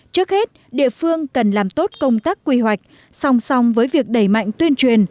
trước hết địa phương cần làm tốt công tác quy hoạch song song với việc đẩy mạnh tuyên truyền